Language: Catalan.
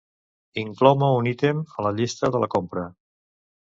Inclou-me un ítem a la llista de la compra.